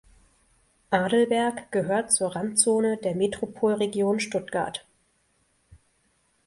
Adelberg gehört zur Randzone der Metropolregion Stuttgart.